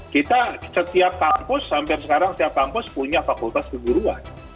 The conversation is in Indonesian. kita setiap kampus sampai sekarang setiap kampus punya fakultas keguruan